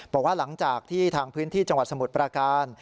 บอกว่าหลังจากที่ทางพื้นที่จังหวัดสมุทรประการ